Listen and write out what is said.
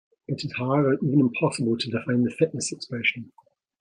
It is hard or even impossible to define the fitness expression.